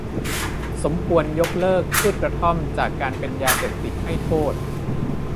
สมควรยกเลิกพืชกระท่อมจากการเป็นยาเสพติดให้โทษ